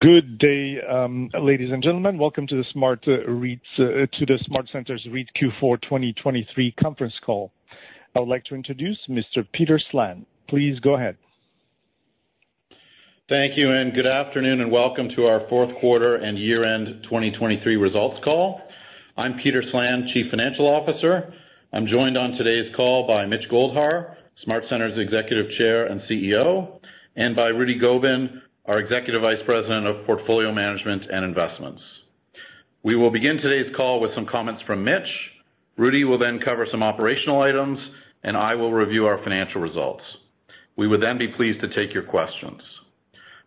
Good day, ladies and gentlemen. Welcome to the SmartCentres REIT Q4 2023 conference call. I would like to introduce Mr. Peter Slan. Please go ahead. Thank you, and good afternoon and welcome to our fourth quarter and year-end 2023 results call. I'm Peter Slan, Chief Financial Officer. I'm joined on today's call by Mitch Goldhar, SmartCentres Executive Chair and CEO, and by Rudy Gobin, our Executive Vice President of Portfolio Management and Investments. We will begin today's call with some comments from Mitch. Rudy will then cover some operational items, and I will review our financial results. We would then be pleased to take your questions.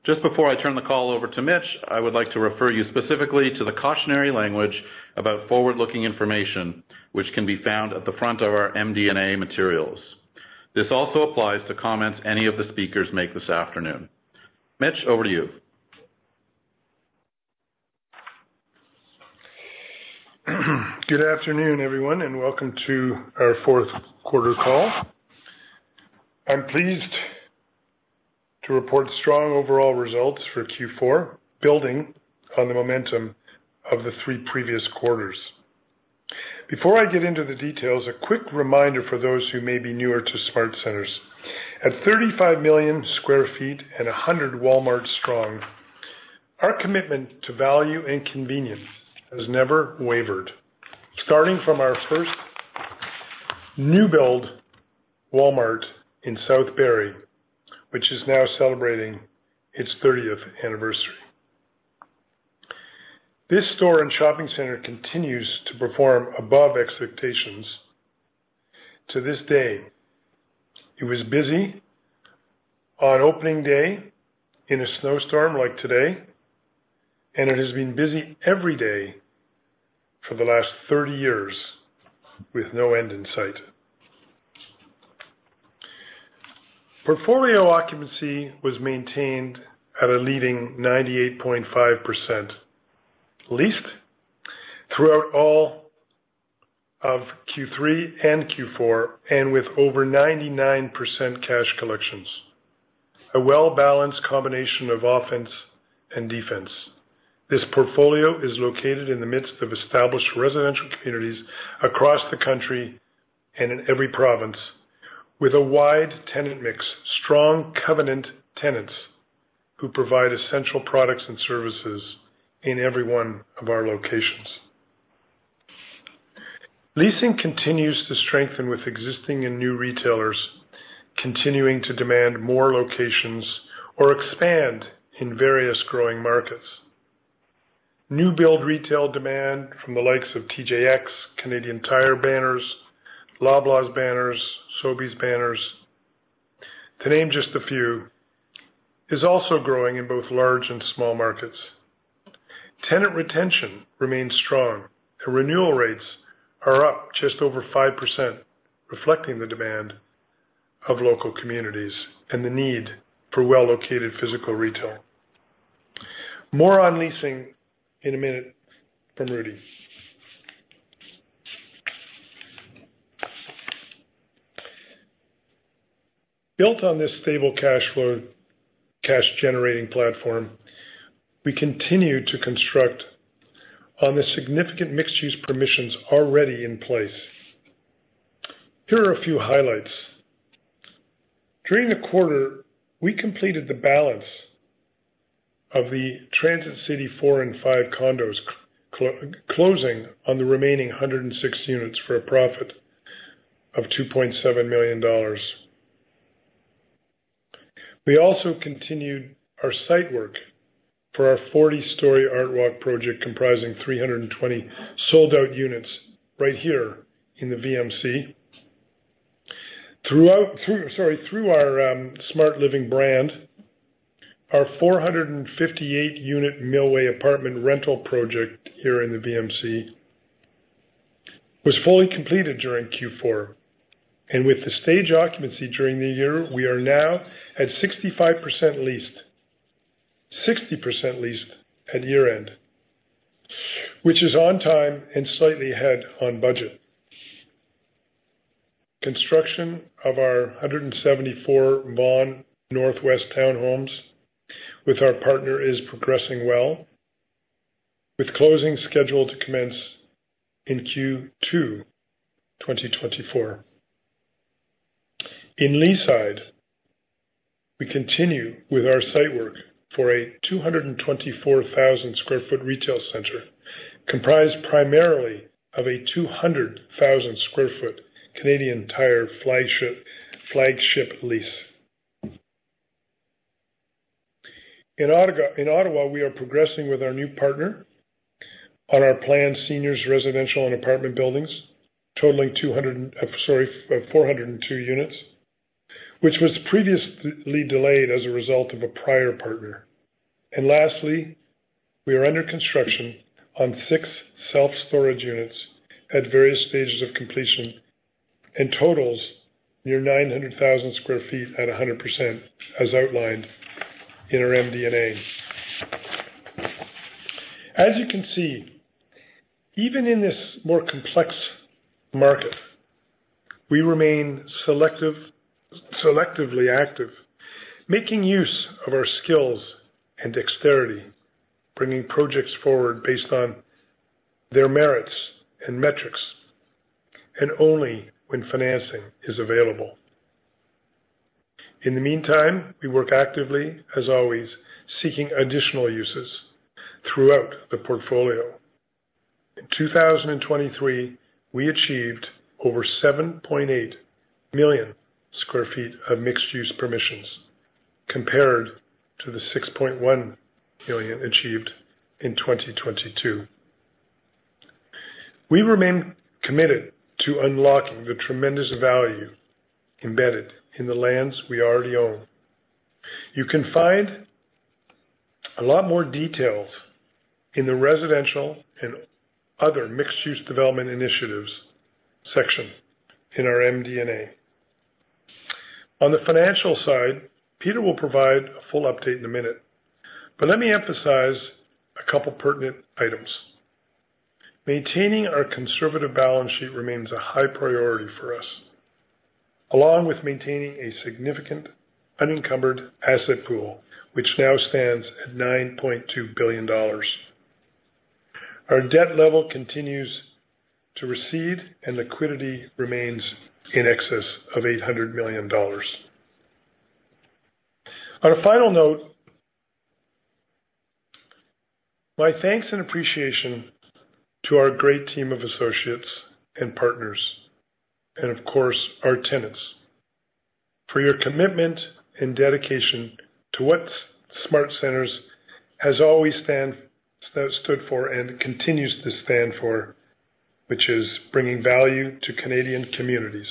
Just before I turn the call over to Mitch, I would like to refer you specifically to the cautionary language about forward-looking information, which can be found at the front of our MD&A materials. This also applies to comments any of the speakers make this afternoon. Mitch, over to you. Good afternoon, everyone, and welcome to our fourth quarter call. I'm pleased to report strong overall results for Q4, building on the momentum of the three previous quarters. Before I get into the details, a quick reminder for those who may be newer to SmartCentres: at 35 million sq ft and 100 Walmart strong, our commitment to value and convenience has never wavered, starting from our first new-build Walmart in Barrie, which is now celebrating its 30th anniversary. This store and shopping center continues to perform above expectations to this day. It was busy on opening day in a snowstorm like today, and it has been busy every day for the last 30 years with no end in sight. Portfolio occupancy was maintained at a leading 98.5% leased throughout all of Q3 and Q4, and with over 99% cash collections, a well-balanced combination of offense and defense. This portfolio is located in the midst of established residential communities across the country and in every province, with a wide tenant mix, strong covenant tenants who provide essential products and services in every one of our locations. Leasing continues to strengthen with existing and new retailers continuing to demand more locations or expand in various growing markets. New-build retail demand from the likes of TJX, Canadian Tire banners, Loblaws banners, Sobeys banners, to name just a few, is also growing in both large and small markets. Tenant retention remains strong, and renewal rates are up just over 5%, reflecting the demand of local communities and the need for well-located physical retail. More on leasing in a minute from Rudy. Built on this stable cash-generating platform, we continue to construct on the significant mixed-use permissions already in place. Here are a few highlights. During the quarter, we completed the balance of the Transit City four and five condos, closing on the remaining 106 units for a profit of 2.7 million dollars. We also continued our site work for our 40-story ArtWalk project, comprising 320 sold-out units right here in the VMC. Through our SmartLiving brand, our 458-unit Millway apartment rental project here in the VMC was fully completed during Q4. With the staged occupancy during the year, we are now at 65% leased, 60% leased at year-end, which is on time and slightly ahead on budget. Construction of our 174 Vaughan Northwest townhomes with our partner is progressing well, with closing scheduled to commence in Q2 2024. In Leaside, we continue with our site work for a 224,000 sq ft retail center, comprised primarily of a 200,000 sq ft Canadian Tire flagship lease. In Ottawa, we are progressing with our new partner on our planned seniors' residential and apartment buildings, totaling 402 units, which was previously delayed as a result of a prior partner. Lastly, we are under construction on six self-storage units at various stages of completion and totals near 900,000 sq ft at 100%, as outlined in our MD&A. As you can see, even in this more complex market, we remain selectively active, making use of our skills and dexterity, bringing projects forward based on their merits and metrics, and only when financing is available. In the meantime, we work actively, as always, seeking additional uses throughout the portfolio. In 2023, we achieved over 7.8 million sq ft of mixed-use permissions, compared to the 6.1 million achieved in 2022. We remain committed to unlocking the tremendous value embedded in the lands we already own. You can find a lot more details in the Residential and Other Mixed-Use Development Initiatives section in our MD&A. On the financial side, Peter will provide a full update in a minute, but let me emphasize a couple of pertinent items. Maintaining our conservative balance sheet remains a high priority for us, along with maintaining a significant unencumbered asset pool, which now stands at 9.2 billion dollars. Our debt level continues to recede, and liquidity remains in excess of 800 million dollars. On a final note, my thanks and appreciation to our great team of associates and partners, and of course our tenants, for your commitment and dedication to what SmartCentres has always stood for and continues to stand for, which is bringing value to Canadian communities.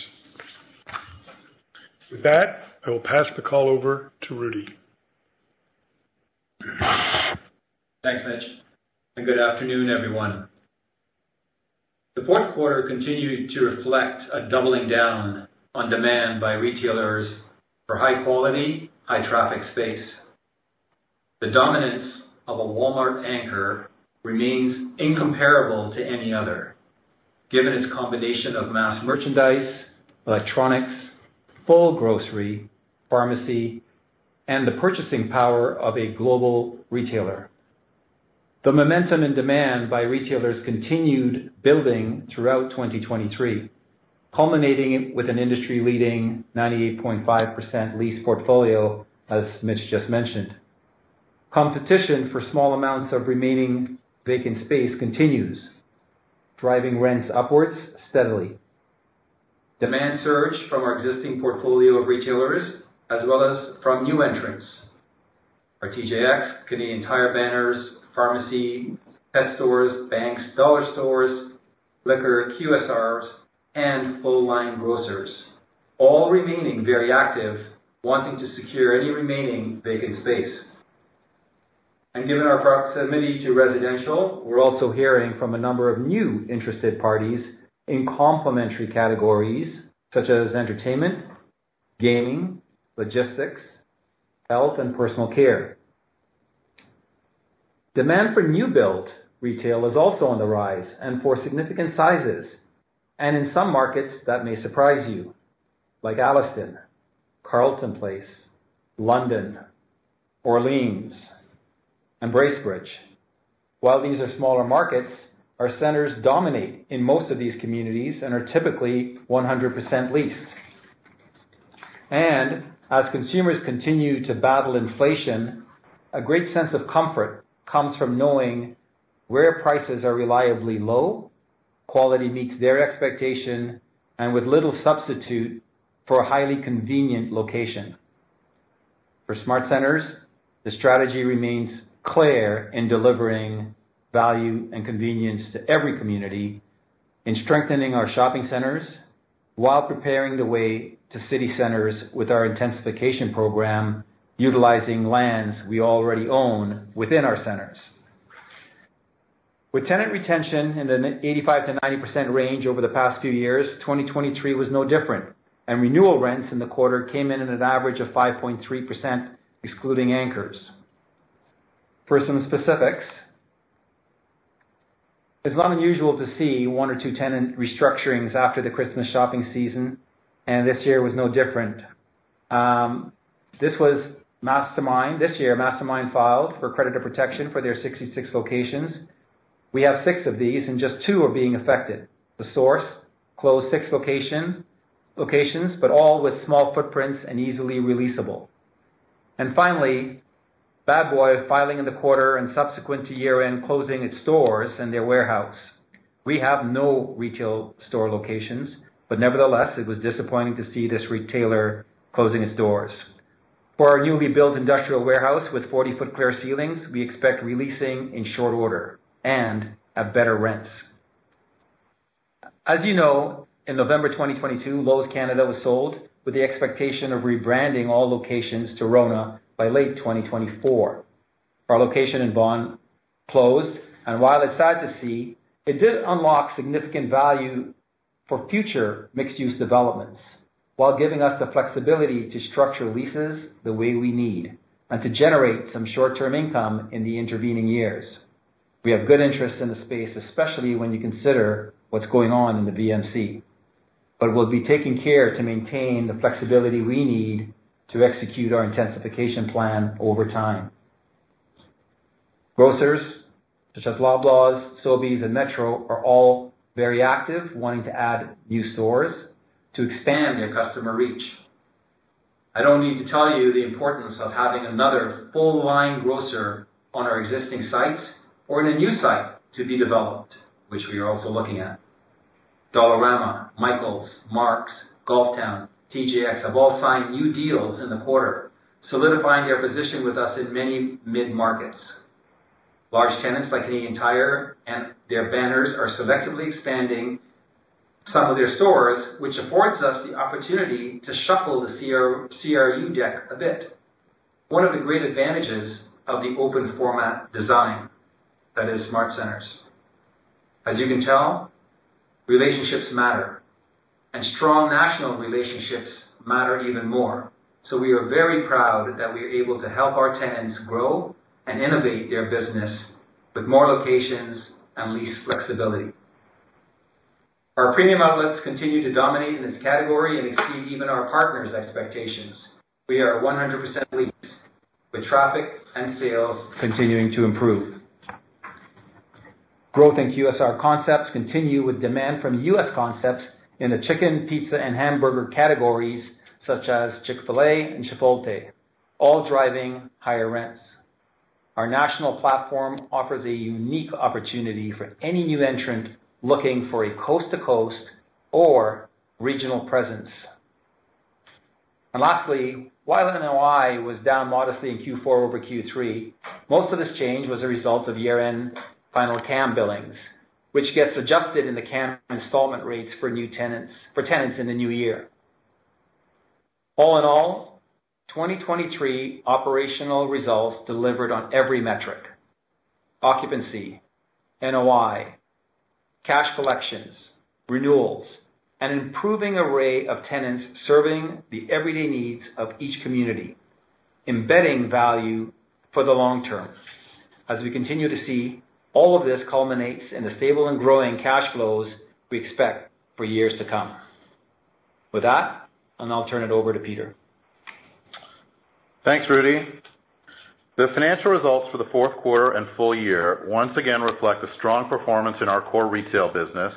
With that, I will pass the call over to Rudy. Thanks, Mitch, and good afternoon, everyone. The fourth quarter continued to reflect a doubling down on demand by retailers for high-quality, high-traffic space. The dominance of a Walmart anchor remains incomparable to any other, given its combination of mass merchandise, electronics, full grocery, pharmacy, and the purchasing power of a global retailer. The momentum in demand by retailers continued building throughout 2023, culminating with an industry-leading 98.5% lease portfolio, as Mitch just mentioned. Competition for small amounts of remaining vacant space continues, driving rents upwards steadily. Demand surged from our existing portfolio of retailers, as well as from new entrants, our TJX, Canadian Tire Banners, pharmacy, pet stores, banks, dollar stores, liquor QSRs, and full-line grocers, all remaining very active, wanting to secure any remaining vacant space. Given our proximity to residential, we're also hearing from a number of new interested parties in complementary categories such as entertainment, gaming, logistics, health, and personal care. Demand for new-built retail is also on the rise and for significant sizes, and in some markets, that may surprise you, like Alliston, Carleton Place, London, Orleans, and Bracebridge. While these are smaller markets, our centers dominate in most of these communities and are typically 100% leased. And as consumers continue to battle inflation, a great sense of comfort comes from knowing where prices are reliably low, quality meets their expectation, and with little substitute for a highly convenient location. For SmartCentres, the strategy remains clear in delivering value and convenience to every community, in strengthening our shopping centers while preparing the way to city centers with our intensification program utilizing lands we already own within our centers. With tenant retention in the 85%-90% range over the past few years, 2023 was no different, and renewal rents in the quarter came in at an average of 5.3%, excluding anchors. For some specifics, it's not unusual to see one or two tenant restructurings after the Christmas shopping season, and this year was no different. This year, Mastermind filed for creditor protection for their 66 locations. We have six of these, and just two are being affected. The Source closed 6 locations, but all with small footprints and easily releasable. Finally, Bad Boy filing in the quarter and subsequent to year-end closing its stores and their warehouse. We have no retail store locations, but nevertheless, it was disappointing to see this retailer closing its doors. For our newly built industrial warehouse with 40-foot clear ceilings, we expect releasing in short order and at better rents. As you know, in November 2022, Lowe's Canada was sold with the expectation of rebranding all locations to RONA by late 2024. Our location in Vaughan closed, and while it's sad to see, it did unlock significant value for future mixed-use developments while giving us the flexibility to structure leases the way we need and to generate some short-term income in the intervening years. We have good interest in the space, especially when you consider what's going on in the VMC. But we'll be taking care to maintain the flexibility we need to execute our intensification plan over time. Grocers such as Loblaws, Sobeys, and Metro are all very active, wanting to add new stores to expand their customer reach. I don't need to tell you the importance of having another full-line grocer on our existing site or in a new site to be developed, which we are also looking at. Dollarama, Michaels, Mark's, Golf Town, TJX have all signed new deals in the quarter, solidifying their position with us in many mid-markets. Large tenants like Canadian Tire and their banners are selectively expanding some of their stores, which affords us the opportunity to shuffle the CRU deck a bit, one of the great advantages of the open-format design that is SmartCentres. As you can tell, relationships matter, and strong national relationships matter even more. So we are very proud that we are able to help our tenants grow and innovate their business with more locations and lease flexibility. Our premium outlets continue to dominate in this category and exceed even our partners' expectations. We are 100% leased, with traffic and sales continuing to improve. Growth in QSR concepts continues with demand from U.S. concepts in the chicken, pizza, and hamburger categories such as Chick-fil-A and Chipotle, all driving higher rents. Our national platform offers a unique opportunity for any new entrant looking for a coast-to-coast or regional presence. And lastly, while NOI was down modestly in Q4 over Q3, most of this change was a result of year-end final CAM billings, which gets adjusted in the CAM installment rates for tenants in the new year. All in all, 2023 operational results delivered on every metric: occupancy, NOI, cash collections, renewals, an improving array of tenants serving the everyday needs of each community, embedding value for the long term. As we continue to see, all of this culminates in the stable and growing cash flows we expect for years to come. With that, and I'll turn it over to Peter. Thanks, Rudy. The financial results for the fourth quarter and full year once again reflect a strong performance in our core retail business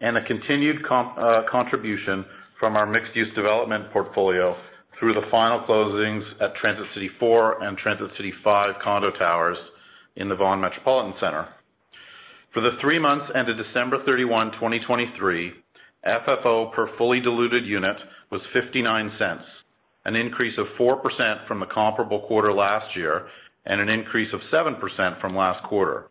and a continued contribution from our mixed-use development portfolio through the final closings at Transit City four and Transit City five condo towers in the Vaughan Metropolitan Centre. For the three months ended December 31, 2023, FFO per fully diluted unit was 0.59, an increase of 4% from the comparable quarter last year and an increase of 7% from last quarter.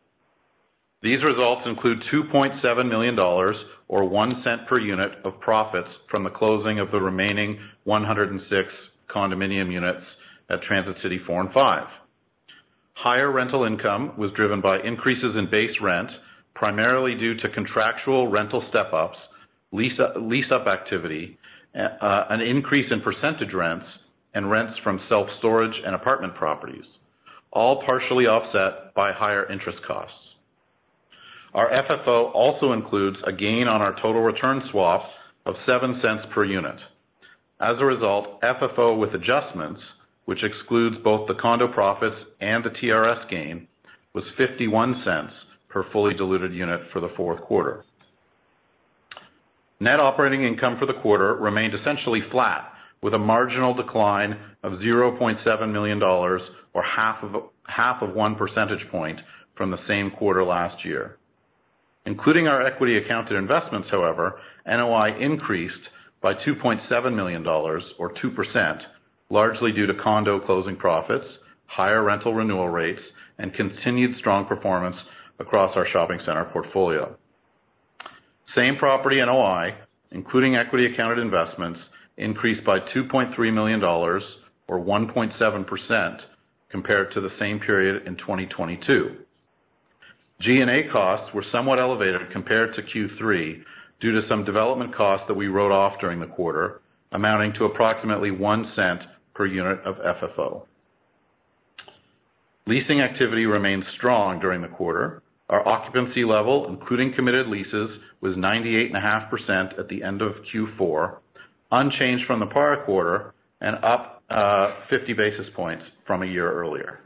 These results include 2.7 million dollars or 0.01 per unit of profits from the closing of the remaining 106 condominium units at Transit City four and five. Higher rental income was driven by increases in base rent, primarily due to contractual rental step-ups, lease-up activity, an increase in percentage rents, and rents from self-storage and apartment properties, all partially offset by higher interest costs. Our FFO also includes a gain on our total return swap of 0.07 per unit. As a result, FFO with adjustments, which excludes both the condo profits and the TRS gain, was 0.51 per fully diluted unit for the fourth quarter. Net operating income for the quarter remained essentially flat, with a marginal decline of 0.7 million dollars or half of one percentage point from the same quarter last year. Including our equity accounted investments, however, NOI increased by 2.7 million dollars or 2%, largely due to condo closing profits, higher rental renewal rates, and continued strong performance across our shopping center portfolio. Same property NOI, including equity accounted investments, increased by 2.3 million dollars or 1.7% compared to the same period in 2022. G&A costs were somewhat elevated compared to Q3 due to some development costs that we wrote off during the quarter, amounting to approximately 0.01 per unit of FFO. Leasing activity remained strong during the quarter. Our occupancy level, including committed leases, was 98.5% at the end of Q4, unchanged from the prior quarter and up 50 basis points from a year earlier.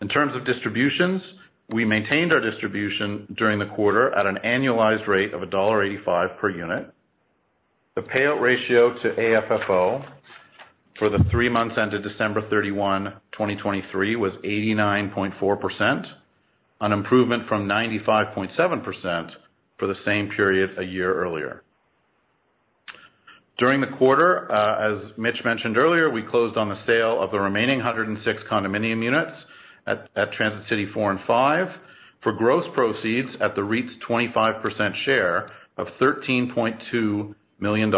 In terms of distributions, we maintained our distribution during the quarter at an annualized rate of $1.85 per unit. The payout ratio to AFFO for the three months ended December 31, 2023, was 89.4%, an improvement from 95.7% for the same period a year earlier. During the quarter, as Mitch mentioned earlier, we closed on the sale of the remaining 106 condominium units at Transit City four and five for gross proceeds at the REIT's 25% share of $13.2 million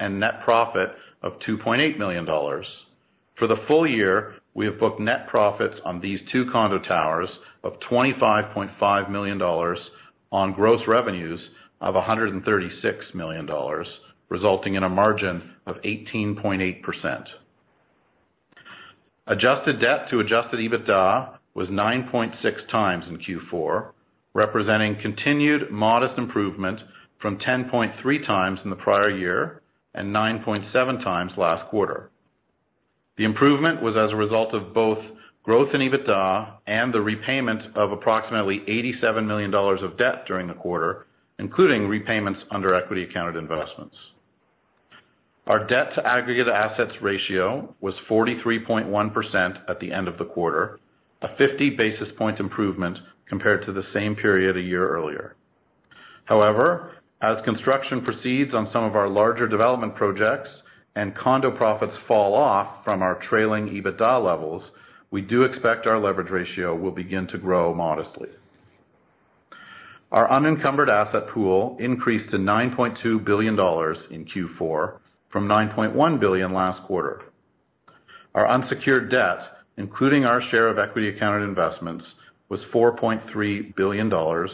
and net profit of $2.8 million. For the full year, we have booked net profits on these two condo towers of $25.5 million on gross revenues of $136 million, resulting in a margin of 18.8%. Adjusted debt to Adjusted EBITDA was 9.6x in Q4, representing continued modest improvement from 10.3x in the prior year and 9.7x last quarter. The improvement was as a result of both growth in EBITDA and the repayment of approximately 87 million dollars of debt during the quarter, including repayments under Equity Accounted Investments. Our Debt-to-Aggregate Assets Ratio was 43.1% at the end of the quarter, a 50 basis point improvement compared to the same period a year earlier. However, as construction proceeds on some of our larger development projects and condo profits fall off from our trailing EBITDA levels, we do expect our leverage ratio will begin to grow modestly. Our Unencumbered Asset Pool increased to 9.2 billion dollars in Q4 from 9.1 billion last quarter. Our unsecured debt, including our share of equity accounted investments, was 4.3 billion dollars,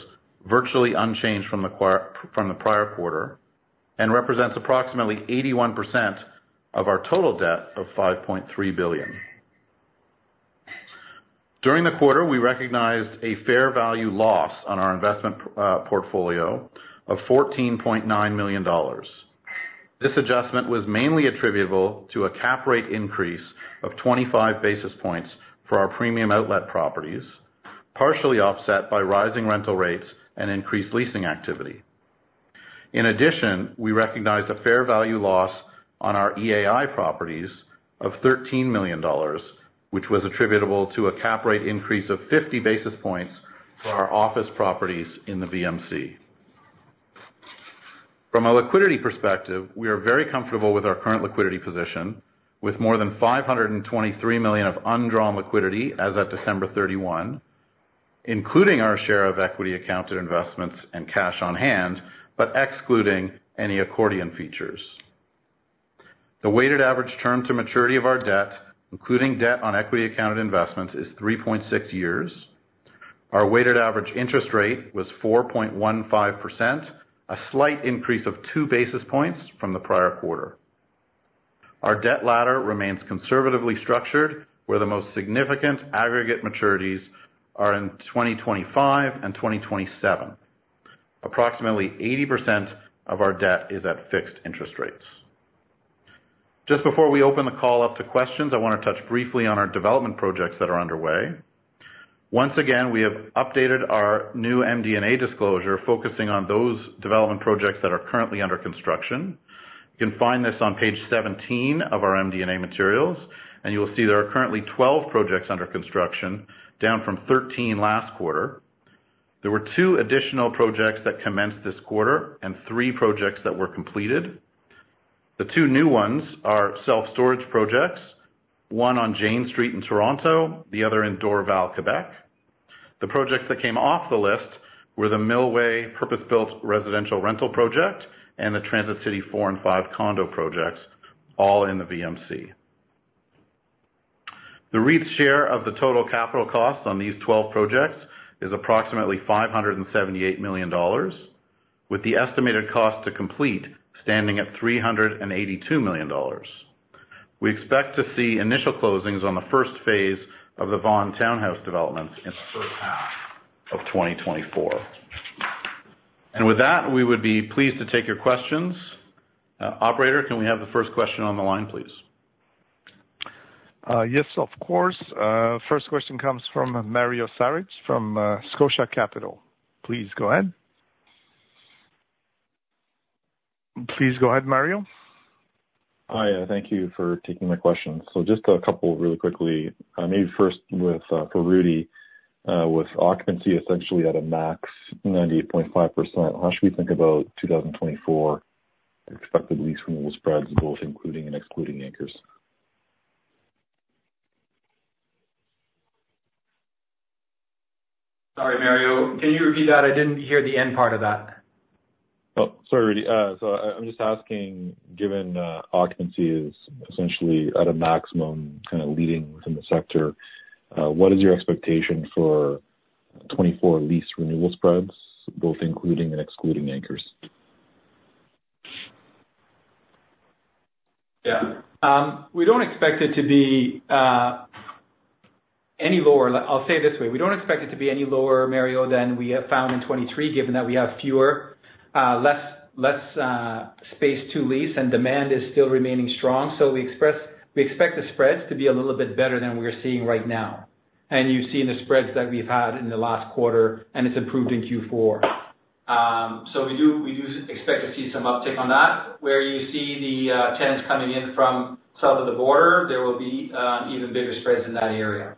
virtually unchanged from the prior quarter, and represents approximately 81% of our total debt of 5.3 billion. During the quarter, we recognized a fair value loss on our investment portfolio of 14.9 million dollars. This adjustment was mainly attributable to a cap rate increase of 25 basis points for our premium outlet properties, partially offset by rising rental rates and increased leasing activity. In addition, we recognized a fair value loss on our EAI properties of 13 million dollars, which was attributable to a cap rate increase of 50 basis points for our office properties in the VMC. From a liquidity perspective, we are very comfortable with our current liquidity position, with more than 523 million of undrawn liquidity as of December 31, including our share of equity accounted investments and cash on hand but excluding any accordion features. The weighted average term to maturity of our debt, including debt on equity accounted investments, is 3.6 years. Our weighted average interest rate was 4.15%, a slight increase of 2 basis points from the prior quarter. Our debt ladder remains conservatively structured, where the most significant aggregate maturities are in 2025 and 2027. Approximately 80% of our debt is at fixed interest rates. Just before we open the call up to questions, I want to touch briefly on our development projects that are underway. Once again, we have updated our new MD&A disclosure focusing on those development projects that are currently under construction. You can find this on page 17 of our MD&A materials, and you will see there are currently 12 projects under construction, down from 13 last quarter. There were two additional projects that commenced this quarter and three projects that were completed. The two new ones are self-storage projects, one on Jane Street in Toronto, the other in Dorval, Quebec. The projects that came off the list were the Millway purpose-built residential rental project and the Transit City four and five condo projects, all in the VMC. The REIT's share of the total capital costs on these 12 projects is approximately 578 million dollars, with the estimated cost to complete standing at 382 million dollars. We expect to see initial closings on the first phase of the Vaughan townhouse developments in the first half of 2024. And with that, we would be pleased to take your questions. Operator, can we have the first question on the line, please? Yes, of course. First question comes from Mario Saric from Scotia Capital. Please go ahead. Please go ahead, Mario. Hi. Thank you for taking my question. So just a couple really quickly, maybe first for Rudy, with occupancy essentially at a max 98.5%, how should we think about 2024 expected lease renewal spreads, both including and excluding anchors? Sorry, Mario. Can you repeat that? I didn't hear the end part of that. Oh, sorry, Rudy. So I'm just asking, given occupancy is essentially at a maximum kind of leading within the sector, what is your expectation for 2024 lease renewal spreads, both including and excluding anchors? Yeah. We don't expect it to be any lower. I'll say it this way. We don't expect it to be any lower, Mario, than we have found in 2023, given that we have fewer, less space to lease, and demand is still remaining strong. So we expect the spreads to be a little bit better than we are seeing right now. And you've seen the spreads that we've had in the last quarter, and it's improved in Q4. So we do expect to see some uptick on that. Where you see the tenants coming in from south of the border, there will be even bigger spreads in that area.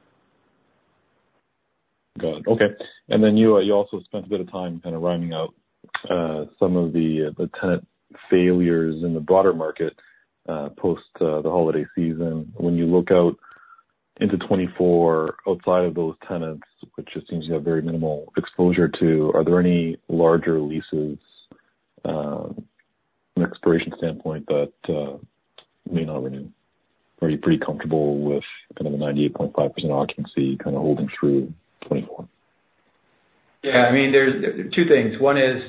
Got it. Okay. And then you also spent a bit of time kind of rhyming out some of the tenant failures in the broader market post the holiday season. When you look out into 2024, outside of those tenants, which it seems you have very minimal exposure to, are there any larger leases from an expiration standpoint that may not renew? Are you pretty comfortable with kind of a 98.5% occupancy kind of holding through 2024? Yeah. I mean, there are two things. One is,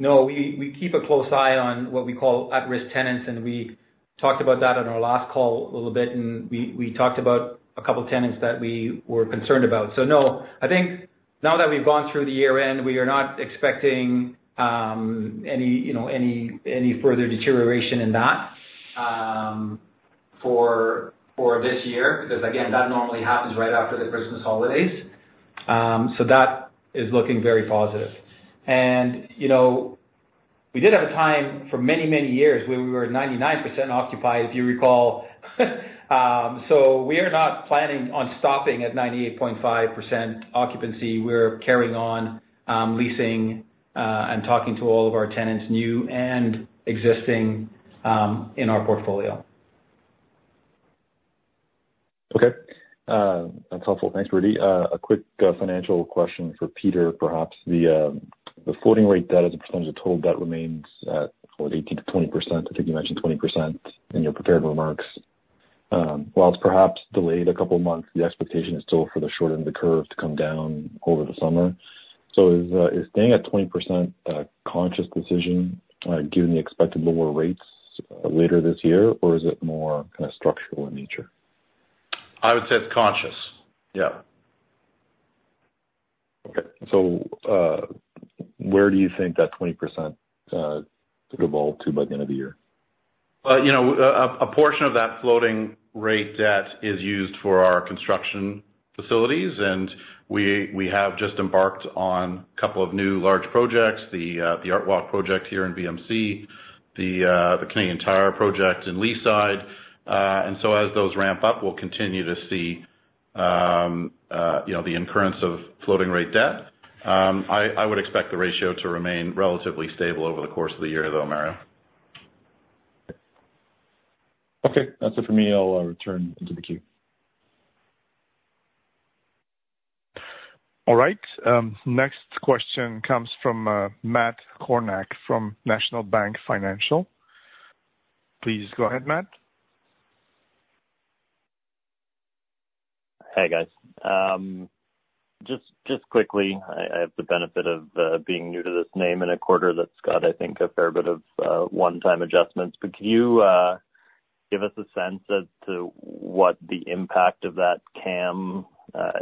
no, we keep a close eye on what we call at-risk tenants, and we talked about that on our last call a little bit, and we talked about a couple of tenants that we were concerned about. So no, I think now that we've gone through the year-end, we are not expecting any further deterioration in that for this year because, again, that normally happens right after the Christmas holidays. So that is looking very positive. And we did have a time for many, many years where we were 99% occupied, if you recall. So we are not planning on stopping at 98.5% occupancy. We're carrying on leasing and talking to all of our tenants, new and existing, in our portfolio. Okay. That's helpful. Thanks, Rudy. A quick financial question for Peter, perhaps. The floating-rate debt as a percentage of total debt remains at, what, 18%-20%? I think you mentioned 20% in your prepared remarks. While it's perhaps delayed a couple of months, the expectation is still for the short end of the curve to come down over the summer. So is staying at 20% a conscious decision given the expected lower rates later this year, or is it more kind of structural in nature? I would say it's conscious. Yeah. Okay. Where do you think that 20% could evolve to by the end of the year? A portion of that floating-rate debt is used for our construction facilities, and we have just embarked on a couple of new large projects, the Art Walk project here in VMC, the Canadian Tire project in Leaside. And so as those ramp up, we'll continue to see the incurrence of floating-rate debt. I would expect the ratio to remain relatively stable over the course of the year, though, Mario. Okay. That's it for me. I'll return into the queue. All right. Next question comes from Matt Kornack from National Bank Financial. Please go ahead, Matt. Hi, guys. Just quickly, I have the benefit of being new to this name in a quarter that's got, I think, a fair bit of one-time adjustments. But could you give us a sense as to what the impact of that CAM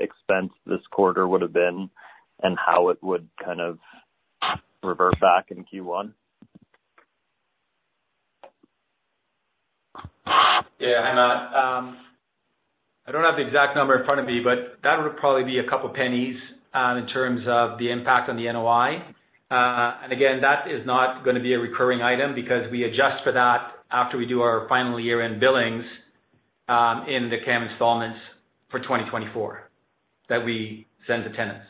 expense this quarter would have been and how it would kind of revert back in Q1? Yeah. Hi, Matt. I don't have the exact number in front of me, but that would probably be a couple of pennies in terms of the impact on the NOI. And again, that is not going to be a recurring item because we adjust for that after we do our final year-end billings in the CAM installments for 2024 that we send to tenants.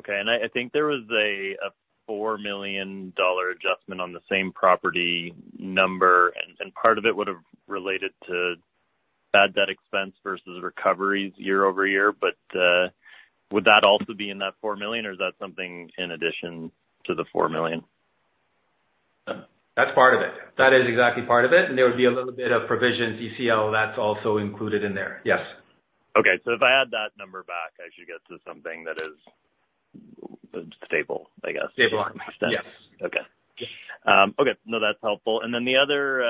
Okay. I think there was a 4 million dollar adjustment on the same property number, and part of it would have related to bad debt expense versus recoveries year-over-year. Would that also be in that 4 million, or is that something in addition to the 4 million? That's part of it. That is exactly part of it. And there would be a little bit of provisions, ECL, that's also included in there. Yes. Okay. So if I add that number back, I should get to something that is stable, I guess, in that sense. Stable on. Yes. Okay. Okay. No, that's helpful. And then the other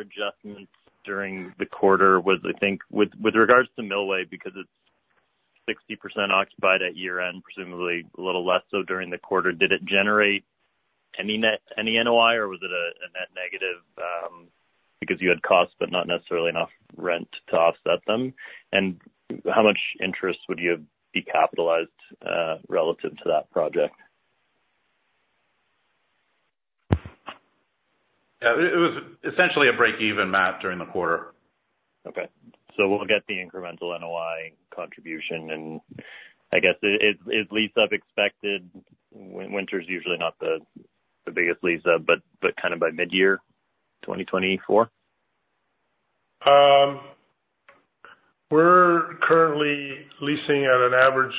adjustment during the quarter was, I think, with regards to Millway, because it's 60% occupied at year-end, presumably a little less so during the quarter, did it generate any NOI, or was it a net negative because you had costs but not necessarily enough rent to offset them? And how much interest would you have decapitalized relative to that project? Yeah. It was essentially a break-even, Matt, during the quarter. Okay. We'll get the incremental NOI contribution. I guess, is lease up expected? Winter's usually not the biggest lease up, but kind of by mid-year 2024? We're currently leasing at an average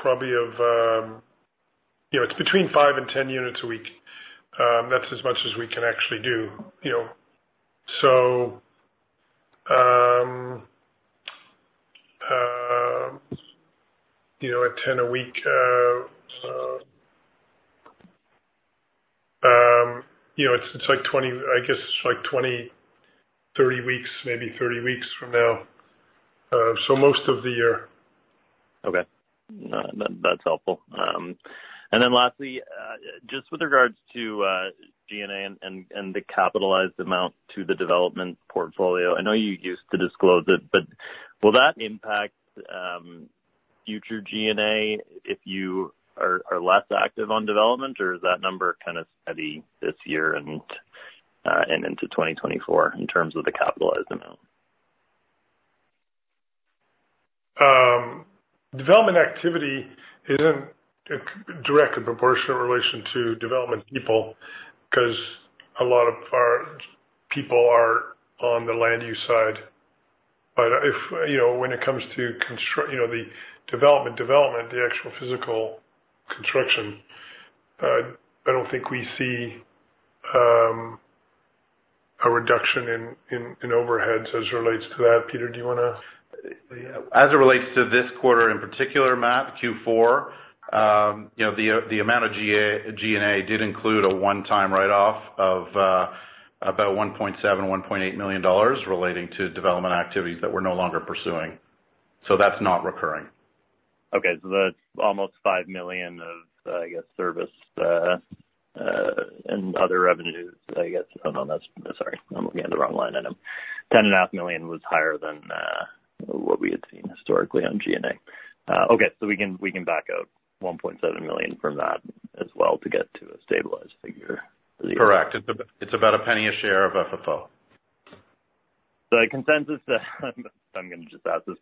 probably of it's between 5 and 10 units a week. That's as much as we can actually do. So at 10 a week, it's like 20, I guess it's like 20, 30 weeks, maybe 30 weeks from now. So most of the year. Okay. That's helpful. And then lastly, just with regards to G&A and the capitalized amount to the development portfolio, I know you used to disclose it, but will that impact future G&A if you are less active on development, or is that number kind of steady this year and into 2024 in terms of the capitalized amount? Development activity isn't directly proportionate in relation to development people because a lot of our people are on the land use side. But when it comes to the development, development, the actual physical construction, I don't think we see a reduction in overheads as it relates to that. Peter, do you want to? As it relates to this quarter in particular, Matt, Q4, the amount of G&A did include a one-time write-off of about 1.7 million-1.8 million dollars relating to development activities that we're no longer pursuing. So that's not recurring. Okay. So that's almost 5 million of, I guess, service and other revenues, I guess. Oh, no. Sorry. I'm looking at the wrong line item. 10.5 million was higher than what we had seen historically on G&A. Okay. So we can back out 1.7 million from that as well to get to a stabilized figure for the year. Correct. It's about CAD 0.01 a share of FFO. The consensus, I'm going to just ask this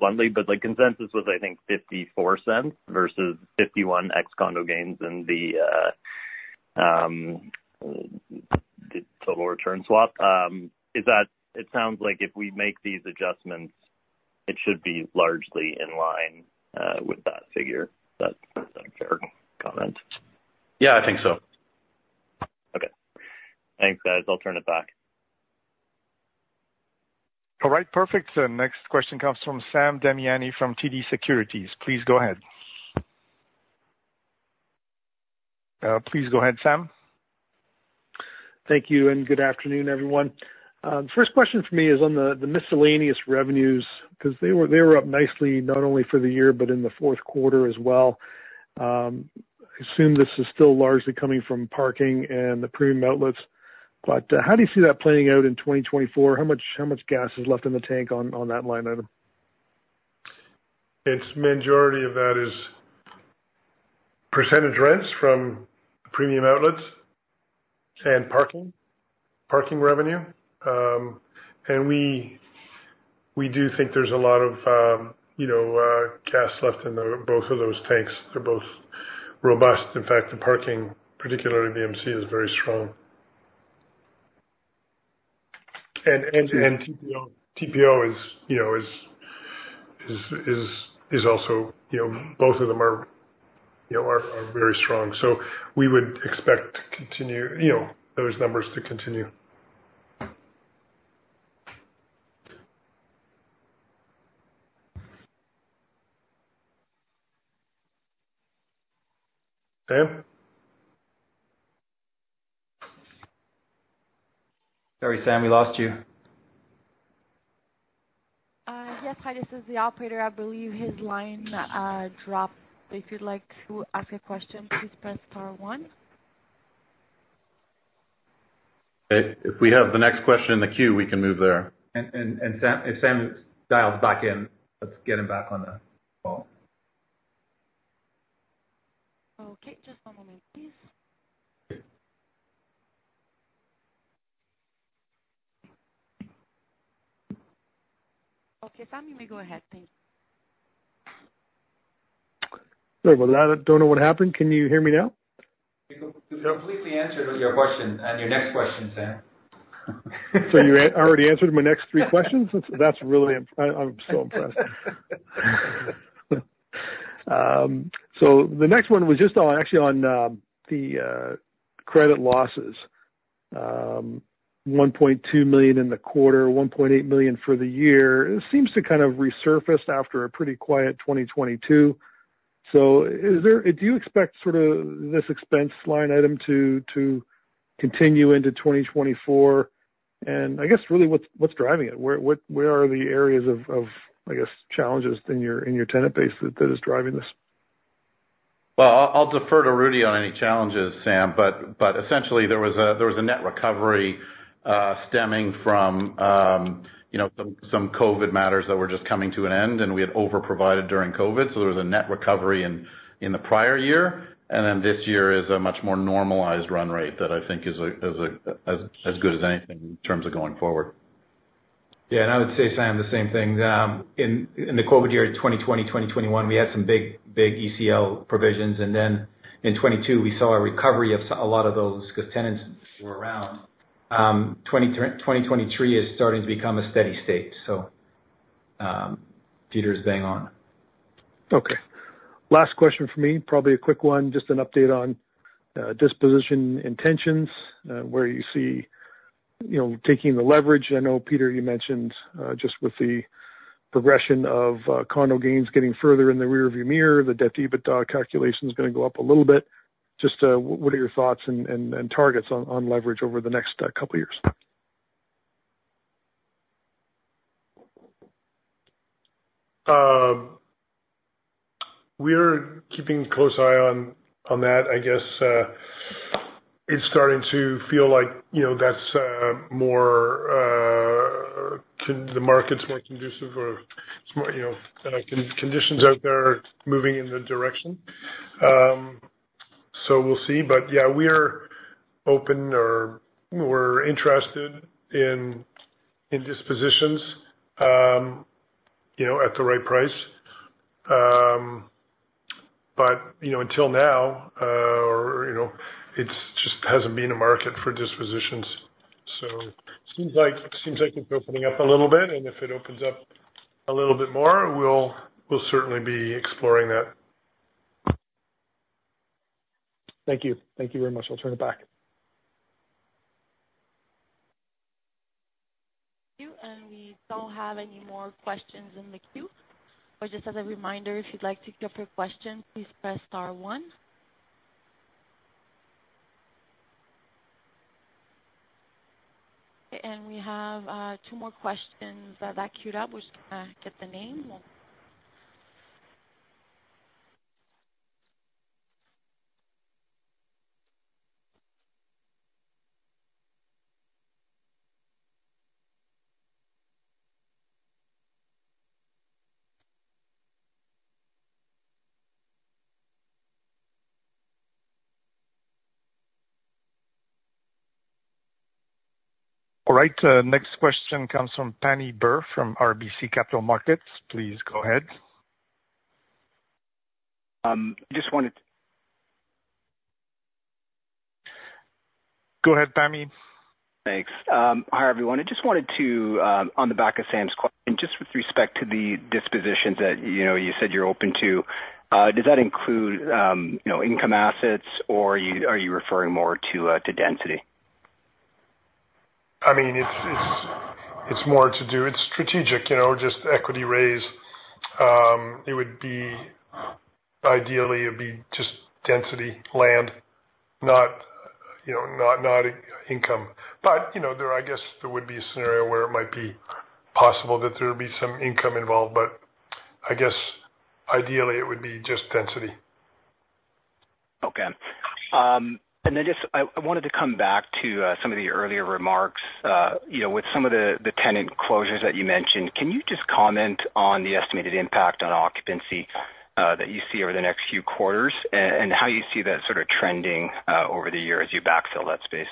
bluntly, but consensus was, I think, 0.54 versus 0.51 ex-condo gains in the total return swap. It sounds like if we make these adjustments, it should be largely in line with that figure. Is that a fair comment? Yeah, I think so. Okay. Thanks, guys. I'll turn it back. All right. Perfect. Next question comes from Sam Damiani from TD Securities. Please go ahead. Please go ahead, Sam. Thank you, and good afternoon, everyone. The first question for me is on the miscellaneous revenues because they were up nicely not only for the year but in the fourth quarter as well. I assume this is still largely coming from parking and the premium outlets. But how do you see that playing out in 2024? How much gas is left in the tank on that line item? It's majority of that is percentage rents from premium outlets and parking revenue. We do think there's a lot of gas left in both of those tanks. They're both robust. In fact, the parking, particularly VMC, is very strong. TPO is also both of them are very strong. We would expect those numbers to continue. Sam? Sorry, Sam. We lost you. Yes, hi. This is the operator. I believe his line dropped. If you'd like to ask a question, please press star one. Okay. If we have the next question in the queue, we can move there. If Sam dials back in, let's get him back on the call. Okay. Just one moment, please. Okay. Sam, you may go ahead. Thank you. Sorry. Well, I don't know what happened. Can you hear me now? You completely answered your question and your next question, Sam. So you already answered my next three questions? That's really, I'm so impressed. So the next one was just actually on the credit losses, 1.2 million in the quarter, 1.8 million for the year. It seems to kind of resurface after a pretty quiet 2022. So do you expect sort of this expense line item to continue into 2024? And I guess really, what's driving it? Where are the areas of, I guess, challenges in your tenant base that is driving this? Well, I'll defer to Rudy on any challenges, Sam. But essentially, there was a net recovery stemming from some COVID matters that were just coming to an end, and we had overprovided during COVID. So there was a net recovery in the prior year. And then this year is a much more normalized run rate that I think is as good as anything in terms of going forward. Yeah. I would say, Sam, the same thing. In the COVID year of 2020, 2021, we had some big, big ECL provisions. Then in 2022, we saw a recovery of a lot of those because tenants were around. 2023 is starting to become a steady state. Peter's bang on. Okay. Last question for me, probably a quick one, just an update on disposition intentions, where you see taking the leverage. I know, Peter, you mentioned just with the progression of condo gains getting further in the rearview mirror, the debt EBITDA calculation is going to go up a little bit. Just what are your thoughts and targets on leverage over the next couple of years? We're keeping a close eye on that. I guess it's starting to feel like that's more the market's more conducive or conditions out there moving in the direction. So we'll see. But yeah, we're open or we're interested in dispositions at the right price. But until now, it just hasn't been a market for dispositions. So it seems like it's opening up a little bit. And if it opens up a little bit more, we'll certainly be exploring that. Thank you. Thank you very much. I'll turn it back. Thank you. We don't have any more questions in the queue. But just as a reminder, if you'd like to keep up your question, please press star one. We have two more questions that queued up. We're just going to get the name. All right. Next question comes from Pammi Bir from RBC Capital Markets. Please go ahead. I just wanted to. Go ahead, Pammi. Thanks. Hi, everyone. I just wanted to, on the back of Sam's question, just with respect to the dispositions that you said you're open to, does that include income assets, or are you referring more to density? I mean, it's more to do it's strategic, just equity raise. Ideally, it'd be just density, land, not income. But I guess there would be a scenario where it might be possible that there would be some income involved. But I guess, ideally, it would be just density. Okay. Then I wanted to come back to some of the earlier remarks. With some of the tenant closures that you mentioned, can you just comment on the estimated impact on occupancy that you see over the next few quarters and how you see that sort of trending over the year as you backfill that space?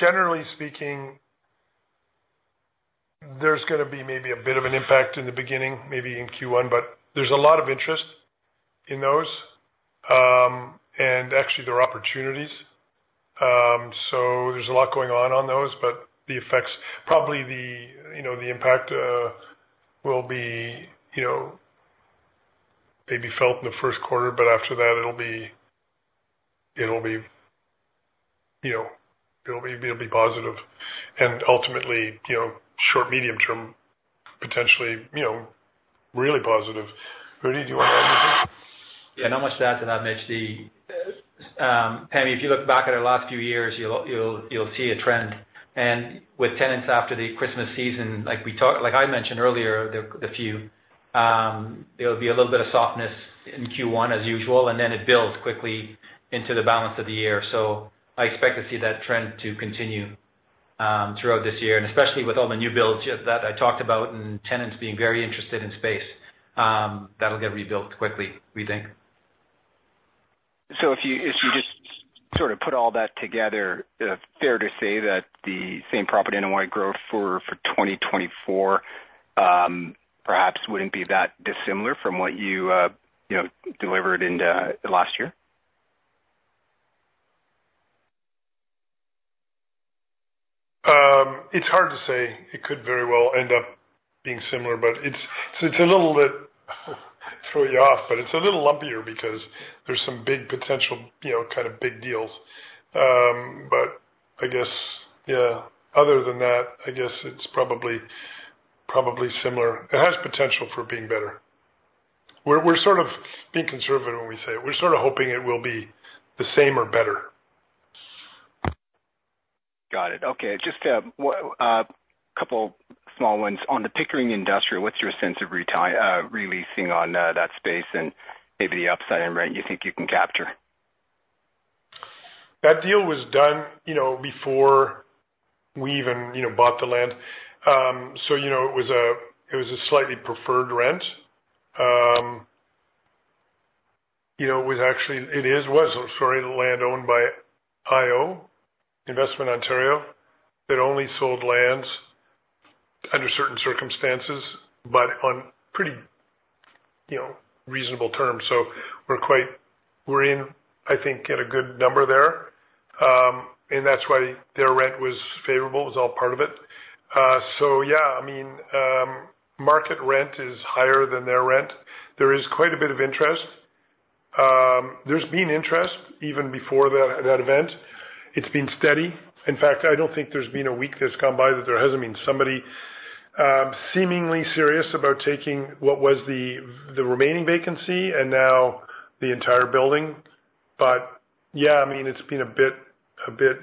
Generally speaking, there's going to be maybe a bit of an impact in the beginning, maybe in Q1. But there's a lot of interest in those. And actually, there are opportunities. So there's a lot going on on those. But probably the impact will be maybe felt in the first quarter. But after that, it'll be positive and ultimately, short, medium-term, potentially really positive. Rudy, do you want to add anything? Yeah. And I'll just add to that, Mitchell. Pammi, if you look back at our last few years, you'll see a trend. And with tenants after the Christmas season, like I mentioned earlier, the few, there'll be a little bit of softness in Q1 as usual. And then it builds quickly into the balance of the year. So I expect to see that trend to continue throughout this year, and especially with all the new builds that I talked about and tenants being very interested in space. That'll get rebuilt quickly, we think. If you just sort of put all that together, fair to say that the Same Property NOI growth for 2024 perhaps wouldn't be that dissimilar from what you delivered in last year? It's hard to say. It could very well end up being similar. So it's a little bit throw you off. But it's a little lumpier because there's some big potential kind of big deals. But I guess, yeah, other than that, I guess it's probably similar. It has potential for being better. We're sort of being conservative when we say it. We're sort of hoping it will be the same or better. Got it. Okay. Just a couple small ones. On the Pickering industrial, what's your sense of leasing on that space and maybe the upside in rent you think you can capture? That deal was done before we even bought the land. So it was a slightly preferred rent. It was actually it is, was, I'm sorry, land owned by Infrastructure Ontario (IO). They'd only sold lands under certain circumstances but on pretty reasonable terms. So we're in, I think, at a good number there. And that's why their rent was favorable. It was all part of it. So yeah, I mean, market rent is higher than their rent. There is quite a bit of interest. There's been interest even before that event. It's been steady. In fact, I don't think there's been a week that's gone by that there hasn't been somebody seemingly serious about taking what was the remaining vacancy and now the entire building. But yeah, I mean, it's been a bit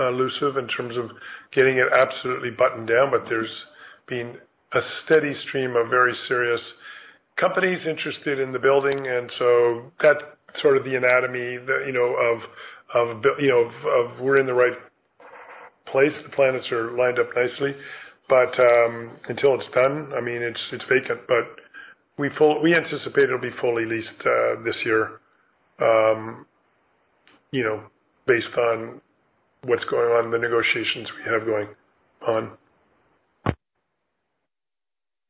elusive in terms of getting it absolutely buttoned down. But there's been a steady stream of very serious companies interested in the building. So that's sort of the anatomy of we're in the right place. The planets are lined up nicely. Until it's done, I mean, it's vacant. But we anticipate it'll be fully leased this year based on what's going on, the negotiations we have going on.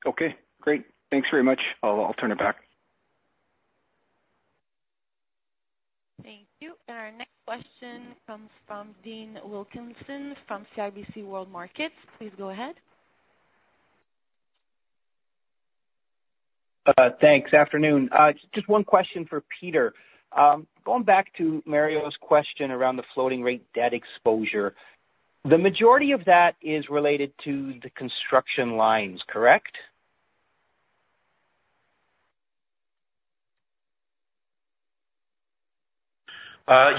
Okay. Great. Thanks very much. I'll turn it back. Thank you. And our next question comes from Dean Wilkinson from CIBC World Markets. Please go ahead. Thanks. Afternoon. Just one question for Peter. Going back to Mario's question around the floating-rate debt exposure, the majority of that is related to the construction lines, correct?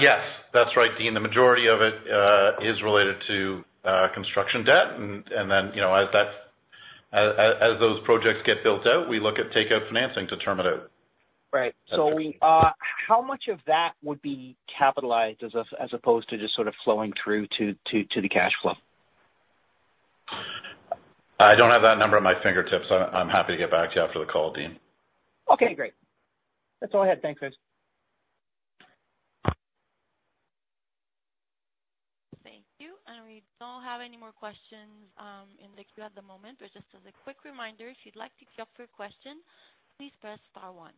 Yes. That's right, Dean. The majority of it is related to construction debt. And then as those projects get built out, we look at takeout financing to term it out. Right. So how much of that would be capitalized as opposed to just sort of flowing through to the cash flow? I don't have that number at my fingertips. I'm happy to get back to you after the call, Dean. Okay. Great. That's all I had. Thanks, guys. Thank you. We don't have any more questions in the queue at the moment. But just as a quick reminder, if you'd like to queue up your question, please press star one.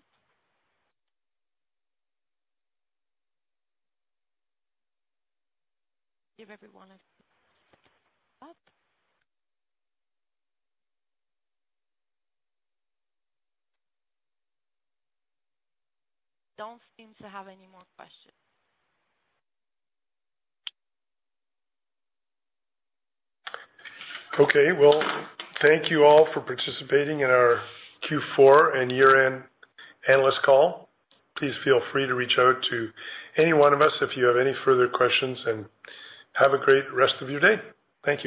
Give everyone a moment. We don't seem to have any more questions. Okay. Well, thank you all for participating in our Q4 and year-end analyst call. Please feel free to reach out to any one of us if you have any further questions. Have a great rest of your day. Thank you.